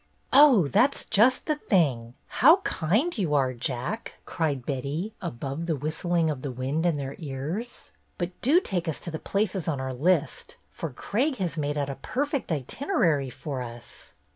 "Oh, that's just the thing! How kind you are. Jack!" cried Betty, above the whistling of the wind in their ears. " But do take us to the places on our list, for Craig has made out a perfect itinerary for us."